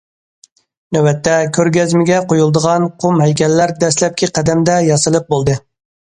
نۆۋەتتە، كۆرگەزمىگە قويۇلىدىغان قۇم ھەيكەللەر دەسلەپكى قەدەمدە ياسىلىپ بولدى.